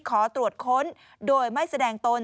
ขอตรวจค้นโดยไม่แสดงตน